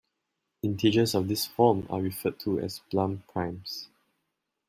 Integers of this form are referred to as Blum primes.